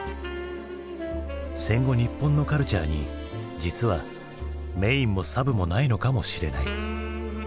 戦後日本のカルチャーに実はメインもサブもないのかもしれない。